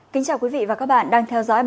cảm ơn các bạn đã theo dõi